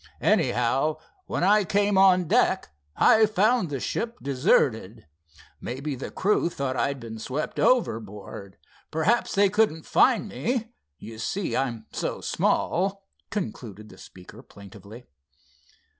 Anyhow, when I came on deck, I found the ship deserted. Maybe the crew thought I had been swept overboard. Perhaps they couldn't find me—you see, I'm so small," concluded the speaker, plaintively.